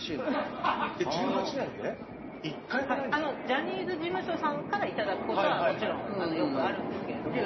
ジャニーズ事務所さんから頂くことはもちろんよくあるんですけれども。